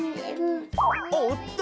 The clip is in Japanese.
おっと！